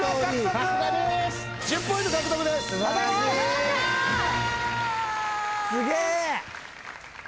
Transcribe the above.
すげえ！